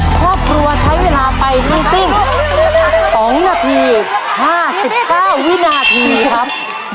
ครอบครัวใช้เวลาไปทั้งสิ้น๒นาที๕๙วินาทีครับ